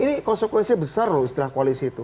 ini konsekuensi besar loh istilah koalisi itu